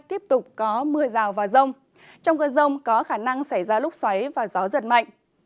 tiếp tục có mưa rào và rông trong cơn rông có khả năng xảy ra lúc xoáy và gió giật mạnh